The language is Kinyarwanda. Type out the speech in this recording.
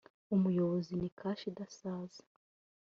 umuyobozi ni kashe idasaza